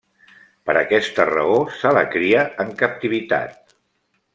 Per aquesta raó, se la cria en captivitat.